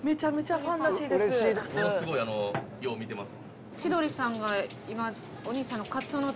ものすごいよう見てます。